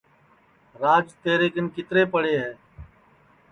راج تیرے کن کِترے پڑے ہے